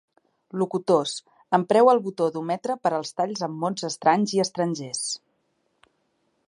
Locutors, empreu el botó d'ometre per als talls amb mots estranys i estrangers.